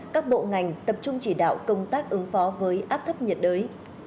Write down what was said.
các bộ ngành tập trung chỉ đạo công tác ứng phó với áp thấp nhiệt đới